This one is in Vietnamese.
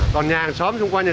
còn nhà hàng xóm xung quanh là sao